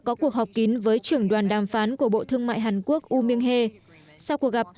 có cuộc họp kín với trưởng đoàn đàm phán của bộ thương mại hàn quốc woo myung hae sau cuộc gặp